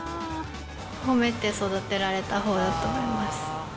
褒めて育てられたほうだと思います。